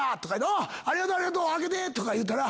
おっありがとう開けて！とか言うたら。